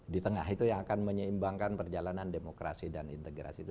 di tengah itu yang akan menyeimbangkan perjalanan demokrasi dan integrasi itu